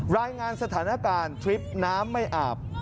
รายงานสถานการณ์ทริปน้ำไม่อาบ